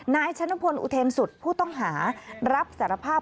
นายชนพลอุเทนสุดผู้ต้องหารับสารภาพ